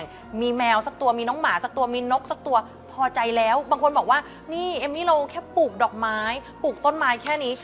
นี่เอมมิเราแค่ปลูกดอกไม้ปลูกต้นมายแค่นี้